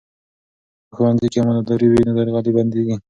که په ښوونځي کې امانتداري وي، نو درغلي بندېږي.